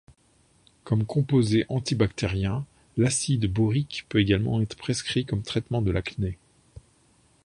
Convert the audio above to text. Comme composé anti-bactérien, l'acide borique peut également être prescrit comme traitement de l’acné.